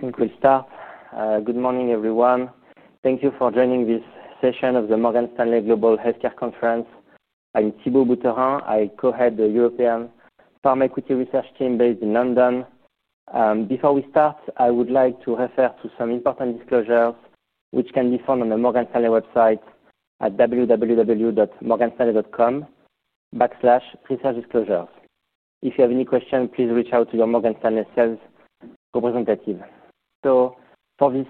Fingers crossed. Good morning, everyone. Thank you for joining this session of the Morgan Stanley Global Healthcare Conference. I'm Thibault Boutherin. I co-head the European Pharma Equity Research Team based in London. Before we start, I would like to refer to some important disclosures which can be found on the Morgan Stanley website at www.morganstanley.com/presales-disclosures. If you have any questions, please reach out to your Morgan Stanley sales representative. For this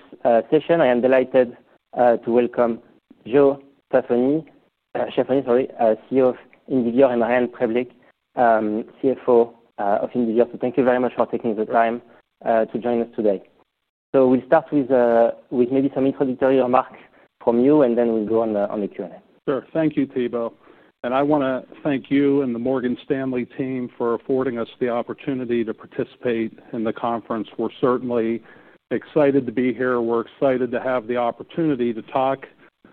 session, I am delighted to welcome Joe Ciaffoni, CEO of Indivior, and Ryan Preblick, CFO of Indivior. Thank you very much for taking the time to join us today. We'll start with maybe some introductory remarks from you, and then we'll go on to the Q&A. Sure. Thank you, Thibault. I want to thank you and the Morgan Stanley team for affording us the opportunity to participate in the conference. We're certainly excited to be here. We're excited to have the opportunity to talk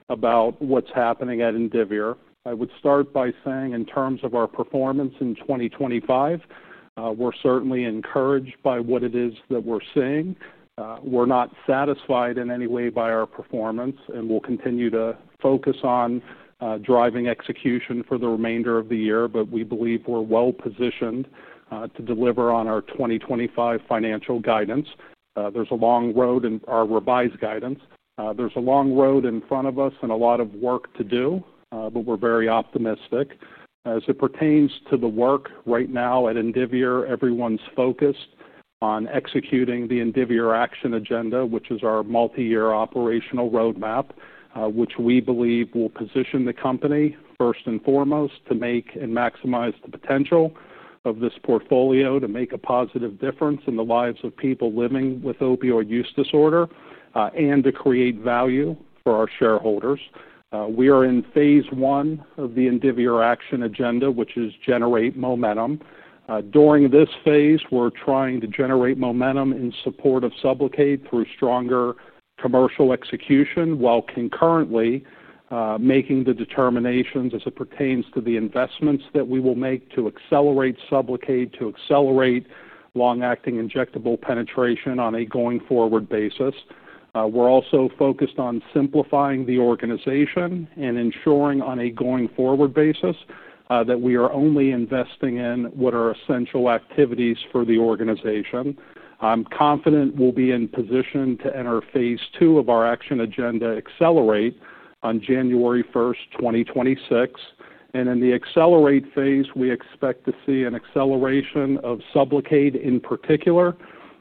about what's happening at Indivior. I would start by saying, in terms of our performance in 2025, we're certainly encouraged by what it is that we're seeing. We're not satisfied in any way by our performance, and we'll continue to focus on driving execution for the remainder of the year. We believe we're well-positioned to deliver on our 2025 financial guidance. There's a long road in our revised guidance. There's a long road in front of us and a lot of work to do, but we're very optimistic. As it pertains to the work right now at Indivior, everyone's focused on executing the Indivior Action Agenda, which is our multi-year operational roadmap, which we believe will position the company first and foremost to make and maximize the potential of this portfolio to make a positive difference in the lives of people living with opioid use disorder and to create value for our shareholders. We are in phase one of the Indivior Action Agenda, which is generate momentum. During this phase, we're trying to generate momentum in support of SUBLOCADE through stronger commercial execution while concurrently making the determinations as it pertains to the investments that we will make to accelerate SUBLOCADE to accelerate long-acting injectable penetration on a going-forward basis. We're also focused on simplifying the organization and ensuring on a going-forward basis that we are only investing in what are essential activities for the organization. I'm confident we'll be in position to enter phase two of our Action Agenda, Accelerate on January 1st, 2026. In the Accelerate phase, we expect to see an acceleration of SUBLOCADE in particular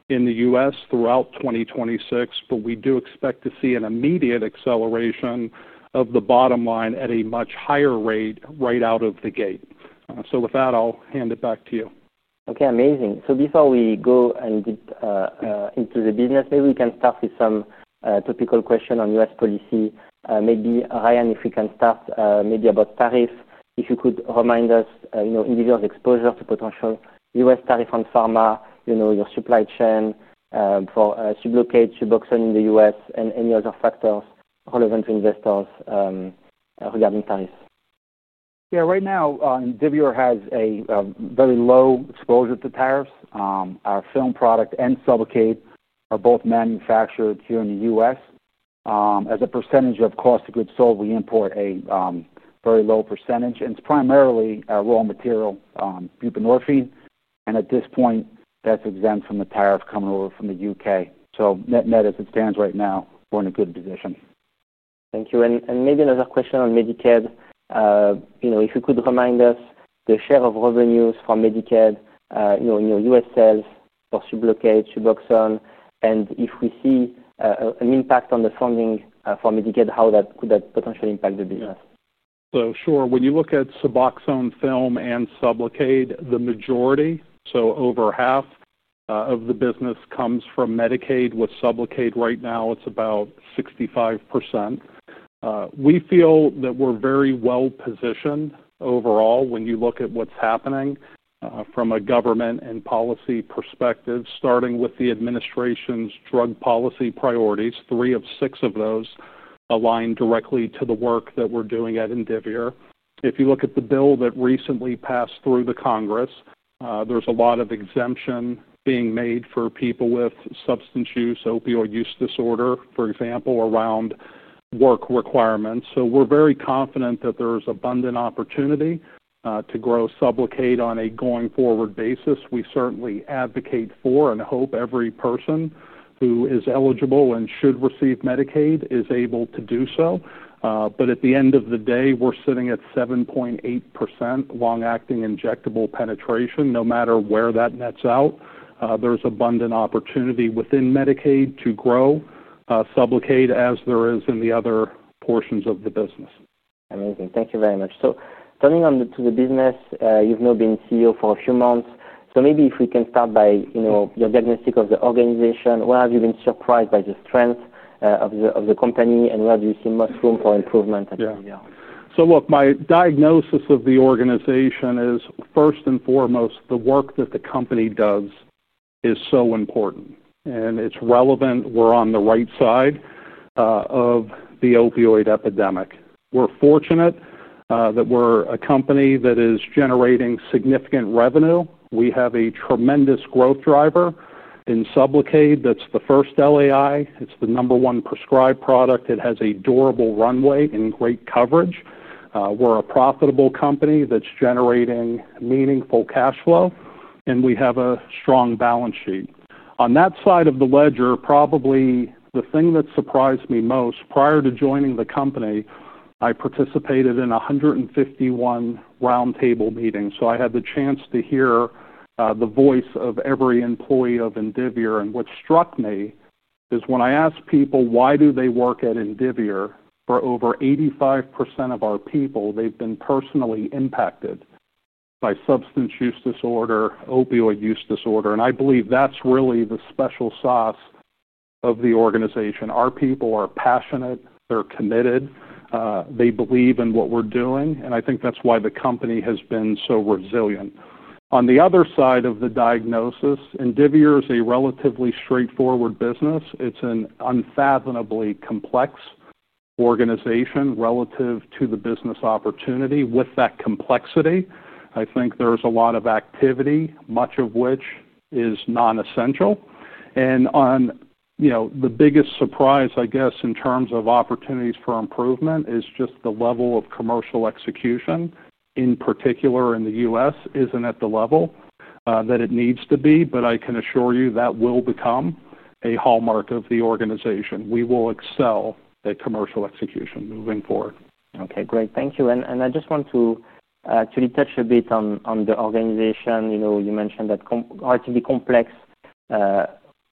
in the U.S. throughout 2026. We do expect to see an immediate acceleration of the bottom line at a much higher rate right out of the gate. With that, I'll hand it back to you. Okay, amazing. Before we go and get into the business, maybe we can start with some topical questions on U.S. policy. Maybe Ryan, if we can start maybe about tariffs, if you could remind us, you know, Indivior's exposure to potential U.S. tariffs on pharma, you know, your supply chain for SUBLOCADE, SUBOXONE in the U.S., and any other factors relevant to investors regarding tariffs. Yeah, right now, Indivior has a very low exposure to tariffs. Our film product and SUBLOCADE are both manufactured here in the U.S. As a percentage of cost of goods sold, we import a very low percentage. It's primarily raw material, buprenorphine. At this point, that's exempt from the tariff coming over from the U.K. Net-net, as it stands right now, we're in a good position. Thank you. Maybe another question on Medicaid. If you could remind us the share of revenues for Medicaid in your U.S. sales for SUBLOCADE, SUBOXONE, and if we see an impact on the funding for Medicaid, how that could potentially impact the business. When you look at SUBOXONE film and SUBLOCADE, the majority, so over half of the business comes from Medicaid. With SUBLOCADE right now, it's about 65%. We feel that we're very well positioned overall when you look at what's happening from a government and policy perspective, starting with the administration's drug policy priorities. Three of six of those align directly to the work that we're doing at Indivior. If you look at the bill that recently passed through the Congress, there's a lot of exemption being made for people with substance use, opioid use disorder, for example, around work requirements. We are very confident that there's abundant opportunity to grow SUBLOCADE on a going-forward basis. We certainly advocate for and hope every person who is eligible and should receive Medicaid is able to do so. At the end of the day, we're sitting at 7.8% long-acting injectable penetration. No matter where that nets out, there's abundant opportunity within Medicaid to grow SUBLOCADE as there is in the other portions of the business. Amazing. Thank you very much. Turning on to the business, you've now been CEO for a few months. Maybe if we can start by your diagnostic of the organization, where have you been surprised by the strength of the company and where do you see much room for improvement at Indivior? My diagnosis of the organization is first and foremost, the work that the company does is so important. It's relevant we're on the right side of the opioid epidemic. We're fortunate that we're a company that is generating significant revenue. We have a tremendous growth driver in SUBLOCADE. That's the first long-acting injectable. It's the number one prescribed product. It has a durable runway and great coverage. We're a profitable company that's generating meaningful cash flow, and we have a strong balance sheet. On that side of the ledger, probably the thing that surprised me most, prior to joining the company, I participated in 151 roundtable meetings. I had the chance to hear the voice of every employee of Indivior. What struck me is when I ask people why do they work at Indivior, for over 85% of our people, they've been personally impacted by substance use disorder, opioid use disorder. I believe that's really the special sauce of the organization. Our people are passionate, they're committed, they believe in what we're doing, and I think that's why the company has been so resilient. On the other side of the diagnosis, Indivior is a relatively straightforward business. It's an unfathomably complex organization relative to the business opportunity. With that complexity, I think there's a lot of activity, much of which is non-essential. The biggest surprise, I guess, in terms of opportunities for improvement is just the level of commercial execution. In particular, in the U.S., it isn't at the level that it needs to be. I can assure you that will become a hallmark of the organization. We will excel at commercial execution moving forward. Okay, great. Thank you. I just want to actually touch a bit on the organization. You mentioned that it's relatively complex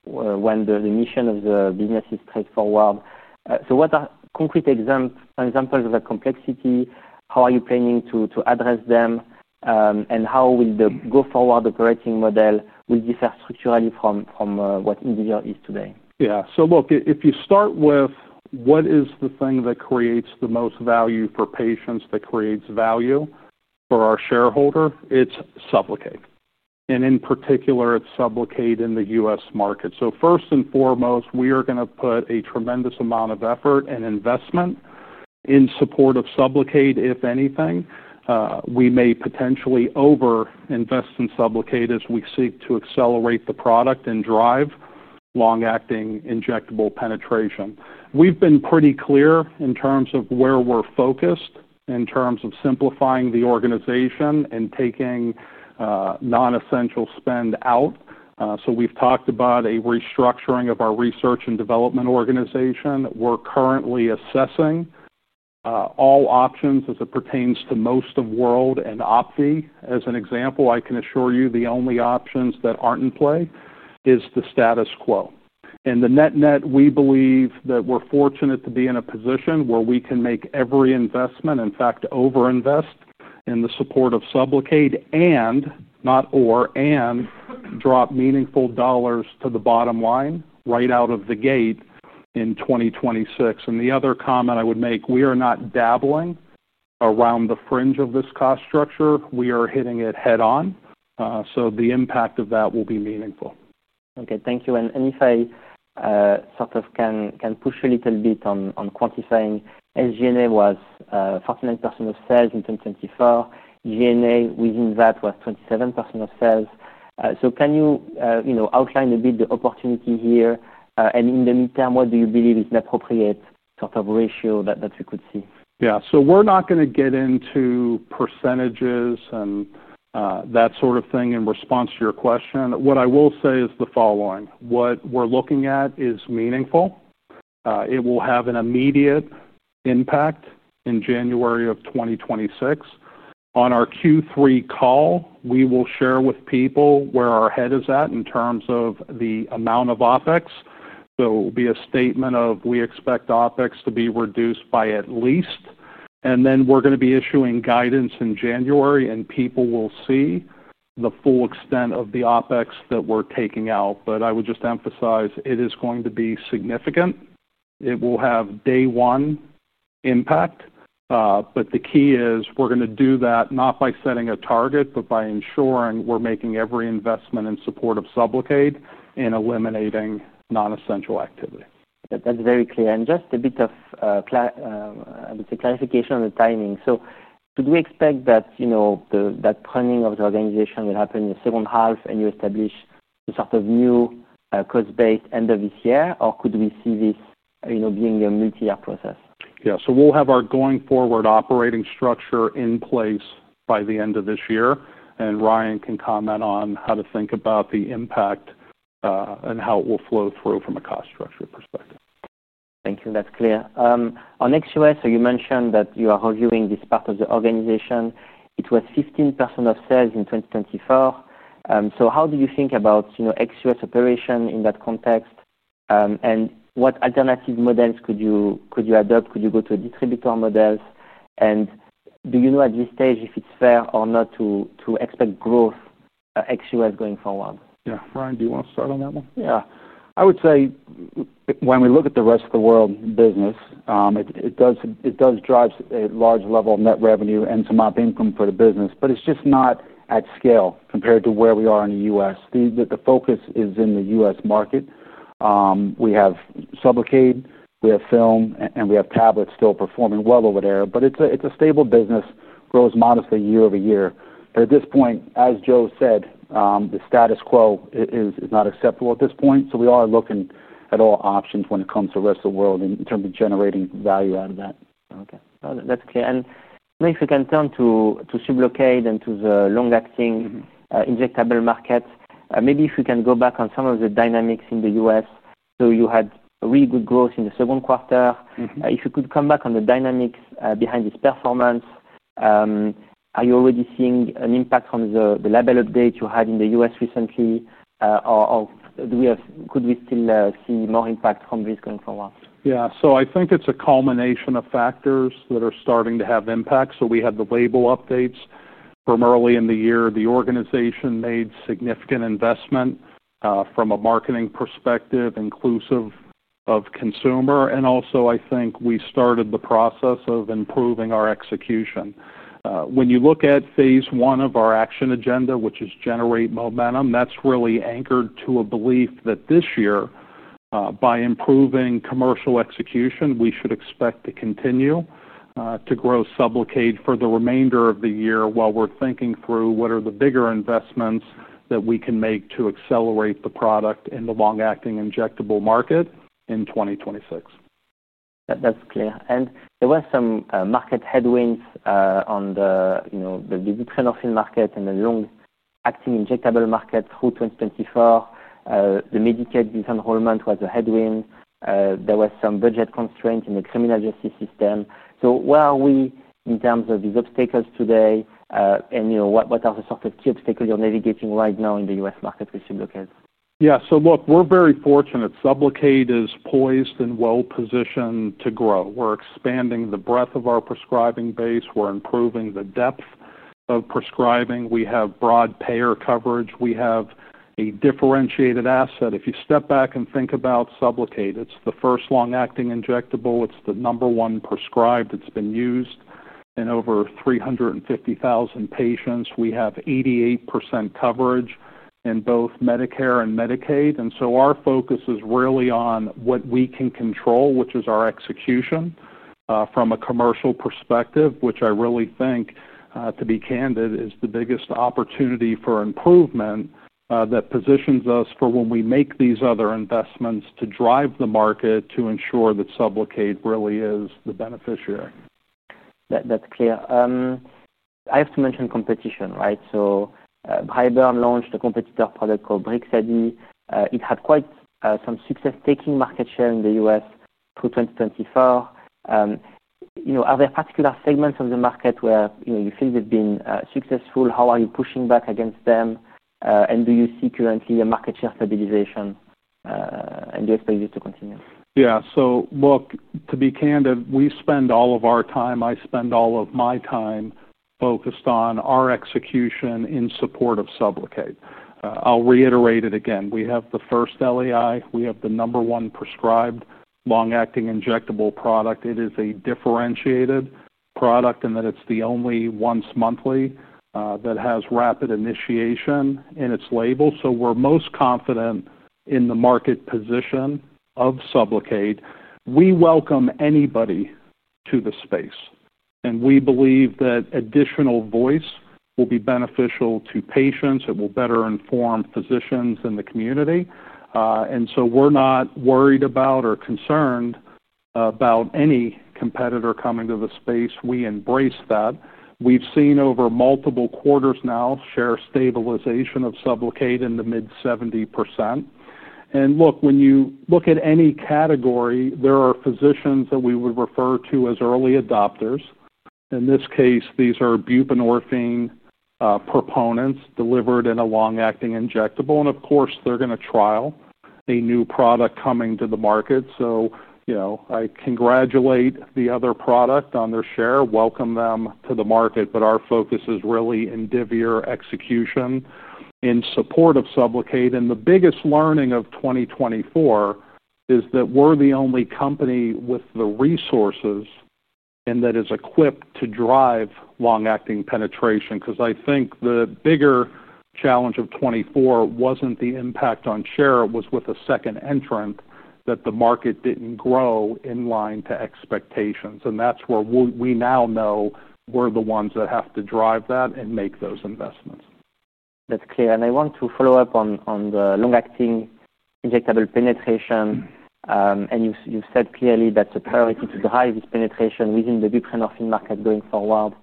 when the mission of the business is straightforward. What are concrete examples of that complexity? How are you planning to address them? How will the go-forward operating model differ structurally from what Indivior is today? Yeah, so look, if you start with what is the thing that creates the most value for patients, that creates value for our shareholder, it's SUBLOCADE. In particular, it's SUBLOCADE in the U.S. market. First and foremost, we are going to put a tremendous amount of effort and investment in support of SUBLOCADE, if anything. We may potentially overinvest in SUBLOCADE as we seek to accelerate the product and drive long-acting injectable penetration. We've been pretty clear in terms of where we're focused, in terms of simplifying the organization and taking non-essential spend out. We've talked about a restructuring of our research and development organization. We're currently assessing all options as it pertains to most of the world and OPVEE. As an example, I can assure you the only options that aren't in play is the status quo. The net-net, we believe that we're fortunate to be in a position where we can make every investment, in fact, overinvest in the support of SUBLOCADE and drop meaningful dollars to the bottom line right out of the gate in 2026. The other comment I would make, we are not dabbling around the fringe of this cost structure. We are hitting it head-on. The impact of that will be meaningful. Okay, thank you. If I sort of can push a little bit on quantifying, SG&A was 49% of sales in 2024. G&A within that was 27% of sales. Can you outline a bit the opportunity here? In the meantime, what do you believe is an appropriate sort of ratio that we could see? Yeah, we're not going to get into percentages and that sort of thing in response to your question. What I will say is the following. What we're looking at is meaningful. It will have an immediate impact in January 2026. On our Q3 call, we will share with people where our head is at in terms of the amount of OpEx. It will be a statement of we expect OpEx to be reduced by at least. We're going to be issuing guidance in January, and people will see the full extent of the OpEx that we're taking out. I would just emphasize it is going to be significant. It will have day-one impact. The key is we're going to do that not by setting a target, but by ensuring we're making every investment in support of SUBLOCADE and eliminating non-essential activity. That's very clear. Just a bit of clarification on the timing. Could we expect that planning of the organization will happen in the second half and you establish a sort of new cost base end of this year? Could we see this being a multi-year process? Yeah, we will have our going-forward operating structure in place by the end of this year. Ryan can comment on how to think about the impact and how it will flow through from a cost structure perspective. Thank you. That's clear. On ex-U.S., you mentioned that you are reviewing this part of the organization. It was 15% of sales in 2024. How do you think about ex-U.S. operation in that context? What alternative models could you adopt? Could you go to a distributor model? Do you know at this stage if it's fair or not to expect growth at ex-U.S. going forward? Yeah, Ryan, do you want to start on that one? Yeah, I would say when we look at the rest of the world business, it does drive a large level of net revenue and to mop income for the business. However, it's just not at scale compared to where we are in the U.S. The focus is in the U.S. market. We have SUBLOCADE, we have film, and we have tablets still performing well over there. It's a stable business, grows modestly year-over-year. At this point, as Joe said, the status quo is not acceptable at this point. We are looking at all options when it comes to the rest of the world in terms of generating value out of that. Okay, that's clear. Maybe if we can turn to SUBLOCADE and to the long-acting injectable market, maybe if we can go back on some of the dynamics in the U.S. You had really good growth in the second quarter. If you could come back on the dynamics behind this performance, are you already seeing an impact from the label update you had in the U.S. recently? Could we still see more impact from this going forward? Yeah, I think it's a culmination of factors that are starting to have impact. We had the label updates from early in the year. The organization made significant investment from a marketing perspective, inclusive of consumer. I think we started the process of improving our execution. When you look at phase I of our action agenda, which is generate momentum, that's really anchored to a belief that this year, by improving commercial execution, we should expect to continue to grow SUBLOCADE for the remainder of the year while we're thinking through what are the bigger investments that we can make to accelerate the product in the long-acting injectable market in 2026. That's clear. There were some market headwinds on the buprenorphine market and the long-acting injectable market through 2024. The Medicaid disenrollment was a headwind. There were some budget constraints in the criminal justice system. Where are we in terms of these obstacles today? What are the sort of key obstacles you're navigating right now in the U.S. market with SUBLOCADE? Yeah, so look, we're very fortunate. SUBLOCADE is poised and well positioned to grow. We're expanding the breadth of our prescribing base, improving the depth of prescribing, and we have broad payer coverage. We have a differentiated asset. If you step back and think about SUBLOCADE, it's the first long-acting injectable. It's the number one prescribed. It's been used in over 350,000 patients. We have 88% coverage in both Medicare and Medicaid. Our focus is really on what we can control, which is our execution from a commercial perspective, which I really think, to be candid, is the biggest opportunity for improvement that positions us for when we make these other investments to drive the market to ensure that SUBLOCADE really is the beneficiary. That's clear. I have to mention competition, right? VIVITROL launched a competitor product called BRIXADI. It had quite some success taking market share in the U.S. through 2024. Are there particular segments of the market where you feel they've been successful? How are you pushing back against them? Do you see currently a market share stabilization? Do you expect this to continue? Yeah, so look, to be candid, we spend all of our time, I spend all of my time focused on our execution in support of SUBLOCADE. I'll reiterate it again. We have the first LAI. We have the number one prescribed long-acting injectable product. It is a differentiated product in that it's the only once monthly that has rapid initiation in its label. We're most confident in the market position of SUBLOCADE. We welcome anybody to the space, and we believe that additional voice will be beneficial to patients. It will better inform physicians in the community. We're not worried about or concerned about any competitor coming to the space. We embrace that. We've seen over multiple quarters now share stabilization of SUBLOCADE in the mid 70%. When you look at any category, there are physicians that we would refer to as early adopters. In this case, these are buprenorphine proponents delivered in a long-acting injectable. Of course, they're going to trial a new product coming to the market. I congratulate the other product on their share, welcome them to the market. Our focus is really Indivior execution in support of SUBLOCADE. The biggest learning of 2024 is that we're the only company with the resources and that is equipped to drive long-acting penetration. I think the bigger challenge of 2024 wasn't the impact on share. It was with a second entrant that the market didn't grow in line to expectations. That's where we now know we're the ones that have to drive that and make those investments. That's clear. I want to follow up on the long-acting injectable penetration. You've said clearly that the priority is to drive this penetration within the buprenorphine market going forward.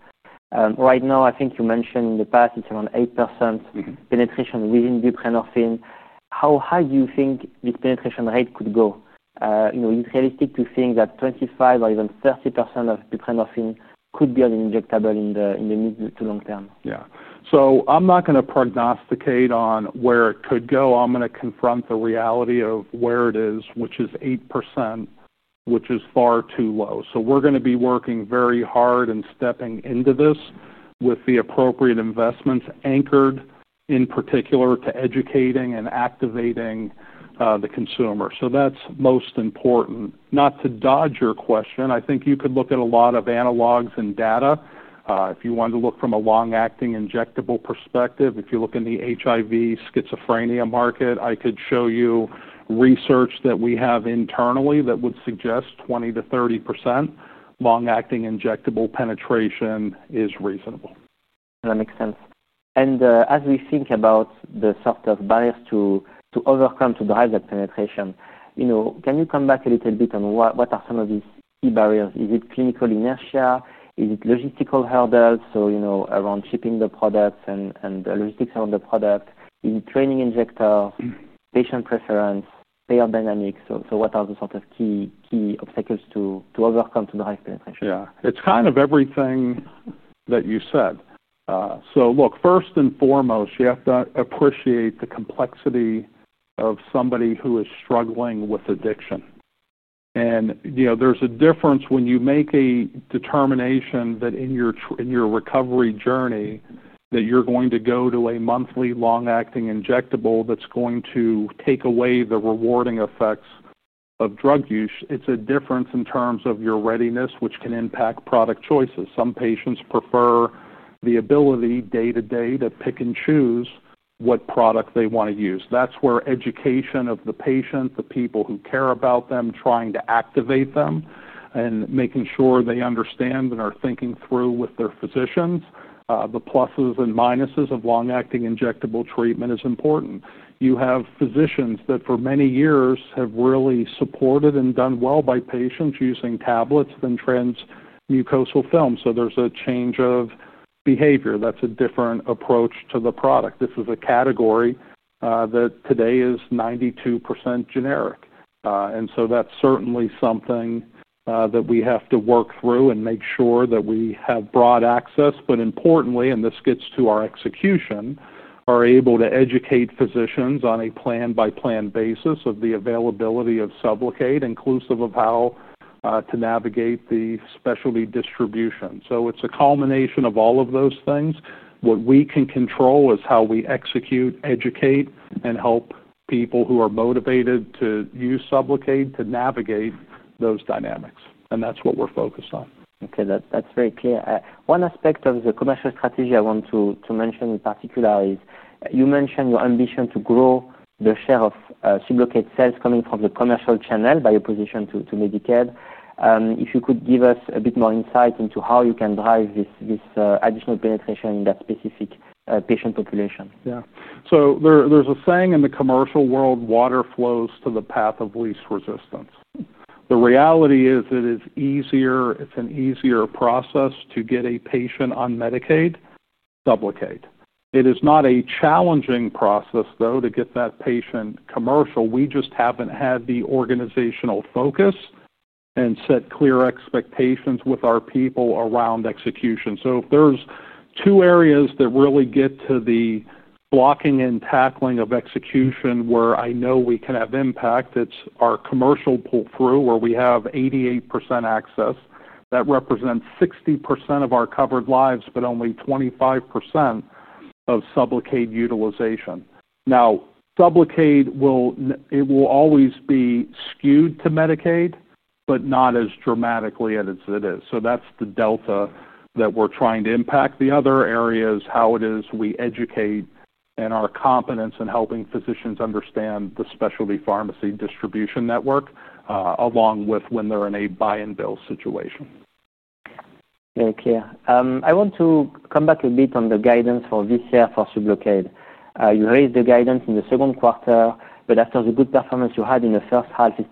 Right now, I think you mentioned in the past it's around 8% penetration within buprenorphine. How high do you think this penetration rate could go? Is it realistic to think that 25% or even 30% of buprenorphine could be on an injectable in the mid to long term? Yeah, I'm not going to prognosticate on where it could go. I'm going to confront the reality of where it is, which is 8%, which is far too low. We're going to be working very hard and stepping into this with the appropriate investments anchored in particular to educating and activating the consumer. That's most important. Not to dodge your question, I think you could look at a lot of analogs and data. If you wanted to look from a long-acting injectable perspective, if you look in the HIV schizophrenia market, I could show you research that we have internally that would suggest 20%-30% long-acting injectable penetration is reasonable. That makes sense. As we think about the sort of barriers to overcome to drive that penetration, can you come back a little bit on what are some of these key barriers? Is it clinical inertia? Is it logistical hurdles, around shipping the products and the logistics around the product? Is it training injectors, patient preference, payer dynamics? What are the sort of key obstacles to overcome to drive penetration? Yeah, it's kind of everything that you said. Look, first and foremost, you have to appreciate the complexity of somebody who is struggling with addiction. There's a difference when you make a determination that in your recovery journey you're going to go to a monthly long-acting injectable that's going to take away the rewarding effects of drug use. It's a difference in terms of your readiness, which can impact product choices. Some patients prefer the ability day-to-day to pick and choose what product they want to use. That's where education of the patient, the people who care about them, trying to activate them, and making sure they understand and are thinking through with their physicians the pluses and minuses of long-acting injectable treatment is important. You have physicians that for many years have really supported and done well by patients using tablets and transmucosal film. There's a change of behavior. That's a different approach to the product. This is a category that today is 92% generic. That's certainly something that we have to work through and make sure that we have broad access. Importantly, and this gets to our execution, we are able to educate physicians on a plan-by-plan basis of the availability of SUBLOCADE, inclusive of how to navigate the specialty distribution. It's a culmination of all of those things. What we can control is how we execute, educate, and help people who are motivated to use SUBLOCADE to navigate those dynamics. That's what we're focused on. Okay, that's very clear. One aspect of the commercial strategy I want to mention in particular is you mentioned your ambition to grow the share of SUBLOCADE sales coming from the commercial channel by opposition to Medicaid. If you could give us a bit more insight into how you can drive this additional penetration in that specific patient population. Yeah, so there's a saying in the commercial world, water flows to the path of least resistance. The reality is that it's easier. It's an easier process to get a patient on Medicaid, SUBLOCADE. It is not a challenging process, though, to get that patient commercial. We just haven't had the organizational focus and set clear expectations with our people around execution. If there's two areas that really get to the blocking and tackling of execution where I know we can have impact, it's our commercial pull-through where we have 88% access. That represents 60% of our covered lives, but only 25% of SUBLOCADE utilization. Now, SUBLOCADE will always be skewed to Medicaid, but not as dramatically as it is. That's the delta that we're trying to impact. The other area is how it is we educate and our competence in helping physicians understand the specialty pharmacy distribution network, along with when they're in a buy-and-bill situation. Very clear. I want to come back a bit on the guidance for this year for SUBLOCADE. You raised the guidance in the second quarter, but after the good performance you had in the first half, it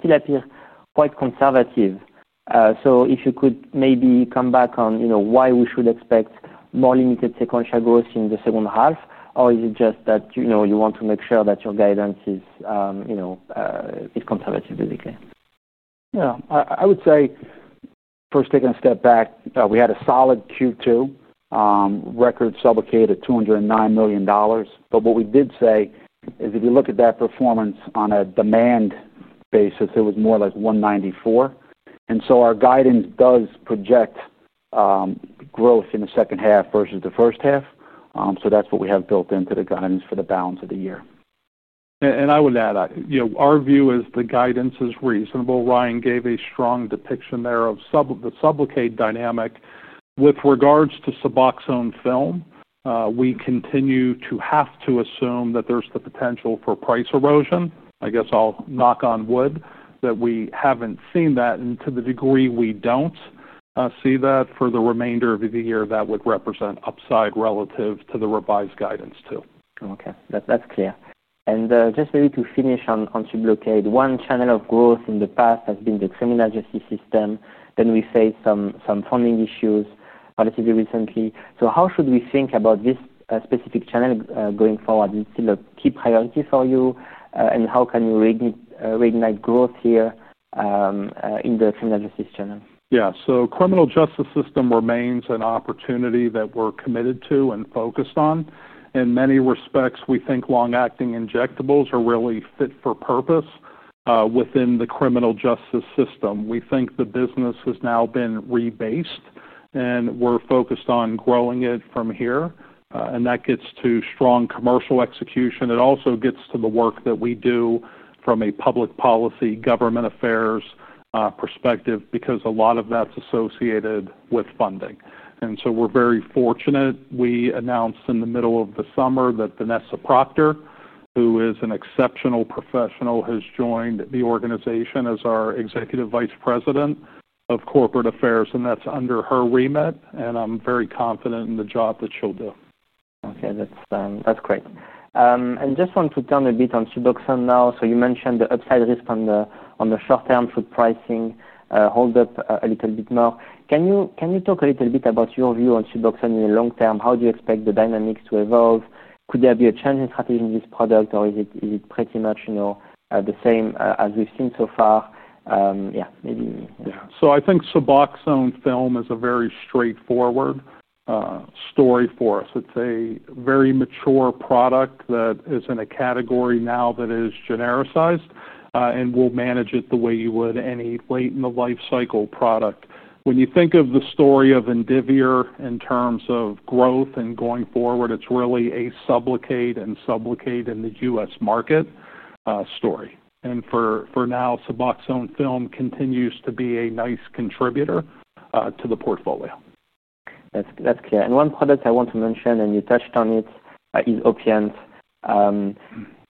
still appears quite conservative. If you could maybe come back on why we should expect more limited sequential growth in the second half, or is it just that you want to make sure that your guidance is conservative, basically? Yeah, I would say, first taking a step back, we had a solid Q2 record SUBLOCADE at $209 million. What we did say is if you look at that performance on a demand basis, it was more like $194 million. Our guidance does project growth in the second half versus the first half. That's what we have built into the guidance for the balance of the year. I would add, you know, our view is the guidance is reasonable. Ryan gave a strong depiction there of the SUBLOCADE dynamic. With regards to SUBOXONE film, we continue to have to assume that there's the potential for price erosion. I guess I'll knock on wood that we haven't seen that. To the degree we don't see that for the remainder of the year, that would represent upside relative to the revised guidance too. Okay, that's clear. Just maybe to finish on SUBLOCADE, one channel of growth in the past has been the criminal justice system. We faced some funding issues relatively recently. How should we think about this specific channel going forward? Is it still a key priority for you? How can you reignite growth here in the criminal justice channel? Yeah, the criminal justice system remains an opportunity that we're committed to and focused on. In many respects, we think long-acting injectables are really fit for purpose within the criminal justice system. We think the business has now been rebased and we're focused on growing it from here. That gets to strong commercial execution. It also gets to the work that we do from a public policy, government affairs perspective because a lot of that's associated with funding. We're very fortunate. We announced in the middle of the summer that Vanessa Procter, who is an exceptional professional, has joined the organization as our Executive Vice President of Corporate Affairs. That's under her remit. I'm very confident in the job that she'll do. Okay, that's great. I just want to turn a bit on SUBOXONE now. You mentioned the upside risk on the short term should pricing hold up a little bit more. Can you talk a little bit about your view on SUBOXONE in the long term? How do you expect the dynamics to evolve? Could there be a change in strategy in this product or is it pretty much the same as we've seen so far? Yeah, maybe. Yeah, I think SUBOXONE film is a very straightforward story for us. It's a very mature product that is in a category now that is genericized, and we will manage it the way you would any late-in-the-life-cycle product. When you think of the story of Indivior in terms of growth and going forward, it's really a SUBLOCADE and SUBLOCADE in the U.S. market story. For now, SUBOXONE film continues to be a nice contributor to the portfolio. That's clear. One product I want to mention, and you touched on it, is Opiant.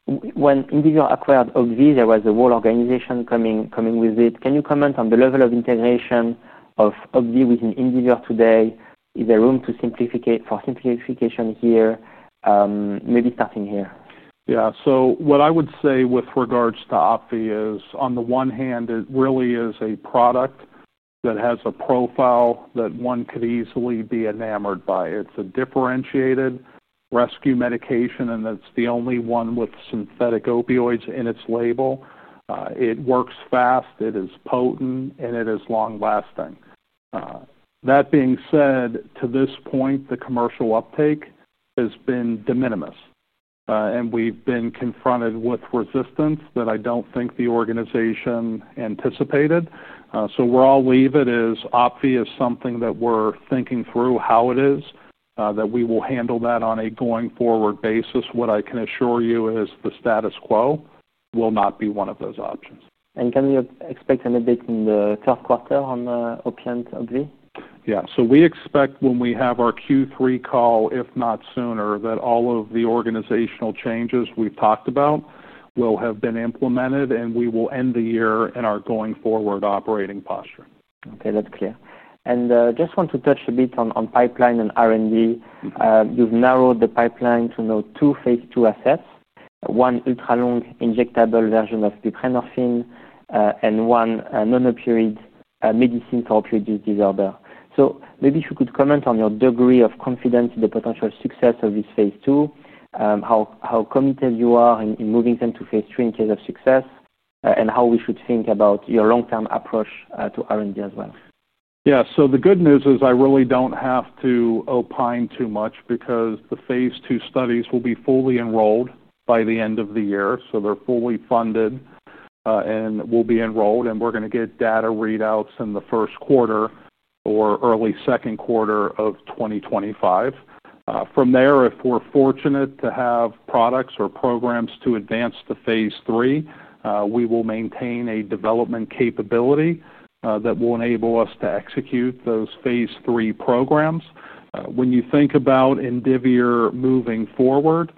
When Indivior acquired Opiant, there was a whole organization coming with it. Can you comment on the level of integration of Opiant within Indivior today? Is there room for simplification here? Maybe starting here. Yeah, so what I would say with regards to OPVEE is, on the one hand, it really is a product that has a profile that one could easily be enamored by. It's a differentiated rescue medication, and it's the only one with synthetic opioids in its label. It works fast, it is potent, and it is long-lasting. That being said, to this point, the commercial uptake has been de minimis. We've been confronted with resistance that I don't think the organization anticipated. Where I'll leave it is OPVEE is something that we're thinking through how it is that we will handle that on a going-forward basis. What I can assure you is the status quo will not be one of those options. Can you expect anything in the third quarter on Opiant OPVEE? We expect when we have our Q3 call, if not sooner, that all of the organizational changes we've talked about will have been implemented, and we will end the year in our going-forward operating posture. Okay, that's clear. I just want to touch a bit on pipeline and R&D. You've narrowed the pipeline to now two phase II assets, one ultra-long injectable version of buprenorphine and one non-opioid medicine for opioid use disorder. Maybe if you could comment on your degree of confidence in the potential success of this Phase 2, how committed you are in moving them to phase III in case of success, and how we should think about your long-term approach to R&D as well. Yeah, the good news is I really don't have to opine too much because the phase II studies will be fully enrolled by the end of the year. They're fully funded and will be enrolled. We're going to get data readouts in the first quarter or early second quarter of 2025. From there, if we're fortunate to have products or programs to advance to phase III, we will maintain a development capability that will enable us to execute those phase III programs. When you think about Indivior moving forward,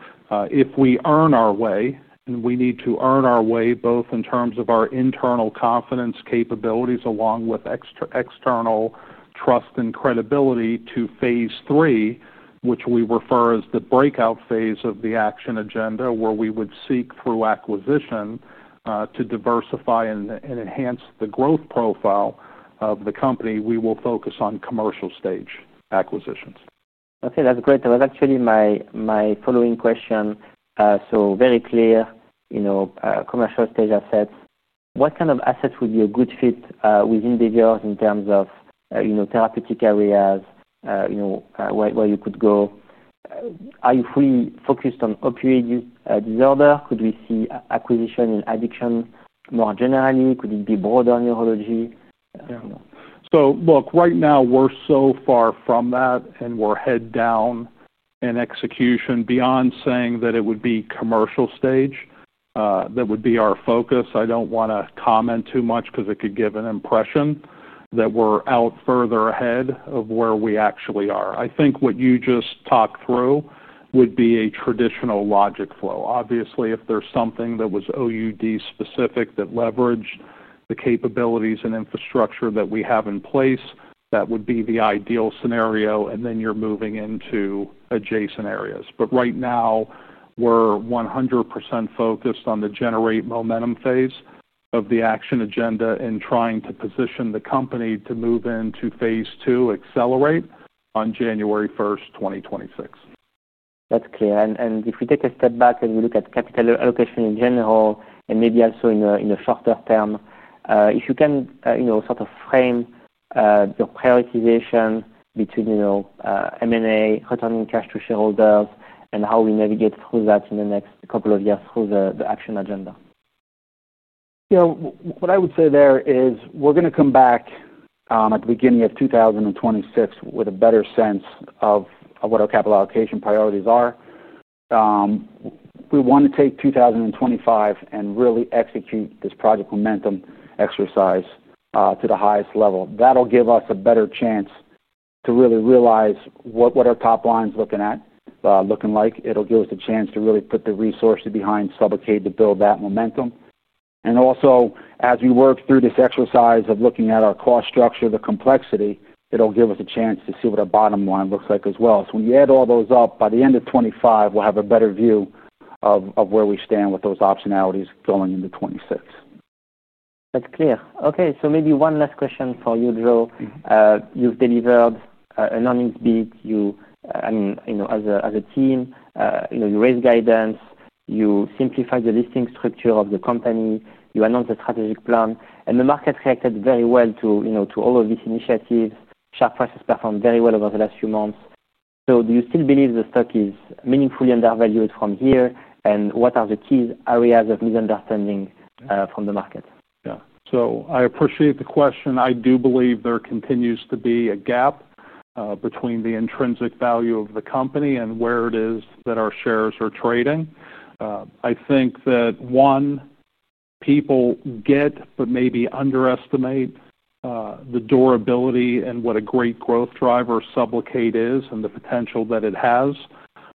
if we earn our way, and we need to earn our way both in terms of our internal confidence capabilities along with external trust and credibility to phase III, which we refer to as the breakout phase of the action agenda, where we would seek through acquisition to diversify and enhance the growth profile of the company, we will focus on commercial stage acquisitions. Okay, that's great. That was actually my following question. Very clear, you know, commercial stage assets. What kind of assets would be a good fit with Indivior in terms of, you know, therapeutic areas, you know, where you could go? Are you fully focused on opioid use disorder? Could we see acquisition in addiction more generally? Could it be broader neurology? Yeah, so look, right now we're so far from that and we're head down in execution. Beyond saying that it would be commercial stage, that would be our focus. I don't want to comment too much because it could give an impression that we're out further ahead of where we actually are. I think what you just talked through would be a traditional logic flow. Obviously, if there's something that was opioid use disorder specific that leveraged the capabilities and infrastructure that we have in place, that would be the ideal scenario. You're moving into adjacent areas. Right now, we're 100% focused on the generate momentum phase of the action agenda and trying to position the company to move into phase two accelerate on January 1st, 2026. That's clear. If we take a step back and we look at capital allocation in general and maybe also in a shorter term, if you can sort of frame your prioritization between M&A, returning cash to shareholders, and how we navigate through that in the next couple of years through the action agenda. What I would say there is we're going to come back at the beginning of 2026 with a better sense of what our capital allocation priorities are. We want to take 2025 and really execute this project Momentum exercise to the highest level. That'll give us a better chance to really realize what our top line is looking like. It'll give us the chance to really put the resources behind SUBLOCADE to build that momentum. Also, as we work through this exercise of looking at our cost structure, the complexity, it'll give us a chance to see what our bottom line looks like as well. When you add all those up, by the end of 2025, we'll have a better view of where we stand with those optionalities going into 2026. That's clear. Okay, maybe one last question for you, Joe. You've delivered an earnings beat. You, as a team, raised guidance, you simplified the listing structure of the company, you announced the strategic plan, and the market reacted very well to all of these initiatives. Share price has performed very well over the last few months. Do you still believe the stock is meaningfully undervalued from here? What are the key areas of misunderstanding from the market? I appreciate the question. I do believe there continues to be a gap between the intrinsic value of the company and where it is that our shares are trading. I think that, one, people get but maybe underestimate the durability and what a great growth driver SUBLOCADE is and the potential that it has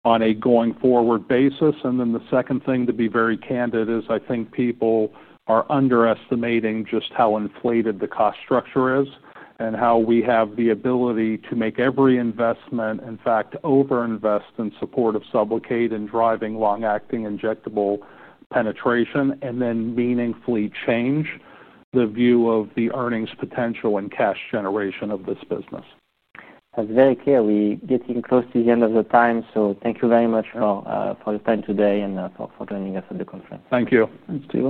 on a going-forward basis. The second thing, to be very candid, is I think people are underestimating just how inflated the cost structure is and how we have the ability to make every investment, in fact, overinvest in support of SUBLOCADE and driving long-acting injectable penetration and then meaningfully change the view of the earnings potential and cash generation of this business. That's very clear. We're getting close to the end of the time, so thank you very much for your time today and for joining us at the conference. Thank you. Thanks, Thibault.